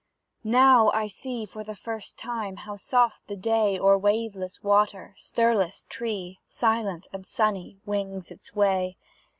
Now, I see, For the first time, how soft the day O'er waveless water, stirless tree, Silent and sunny, wings its way.